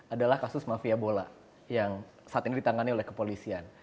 adalah kasus mafia bola yang saat ini ditangani oleh kepolisian